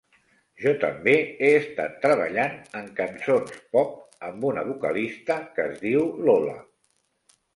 Jo també he estat treballant en cançons pop amb una vocalista que es diu Lola.